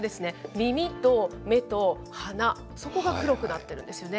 耳と目と鼻、そこが黒くなっているんですよね。